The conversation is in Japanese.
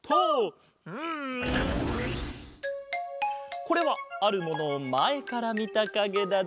これはあるものをまえからみたかげだぞ。